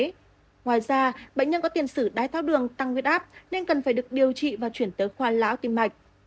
ngoài ra bệnh nhân có tiền sử đai tháo đường tăng nguyết áp nên cần phải được điều trị và chuyển tới khoa lão tiêm mạch